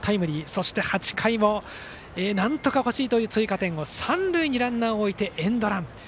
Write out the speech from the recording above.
そして８回なんとか欲しいという追加点を三塁にランナーを置いてエンドラン。